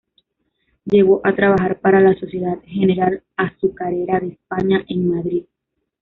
Llegó a trabajar para la Sociedad General Azucarera de España en Madrid.